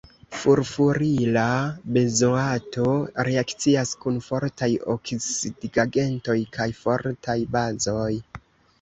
Furfurila benzoato reakcias kun fortaj oksidigagentoj kaj fortaj bazoj.